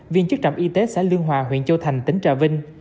viên chức trạm y tế xã lương hòa huyện châu thành tỉnh trà vinh